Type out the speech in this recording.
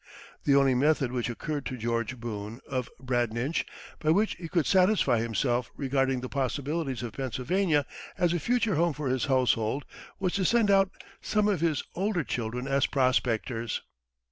The only method which occurred to George Boone, of Bradninch, by which he could satisfy himself regarding the possibilities of Pennsylvania as a future home for his household, was to send out some of his older children as prospectors.